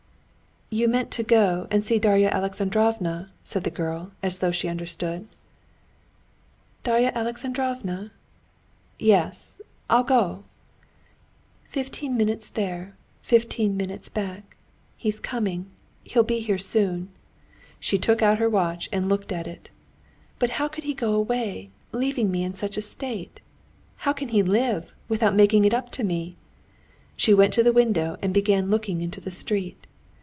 "You meant to go and see Darya Alexandrovna," said the girl, as though she understood. "Darya Alexandrovna? Yes, I'll go." "Fifteen minutes there, fifteen minutes back. He's coming, he'll be here soon." She took out her watch and looked at it. "But how could he go away, leaving me in such a state? How can he live, without making it up with me?" She went to the window and began looking into the street.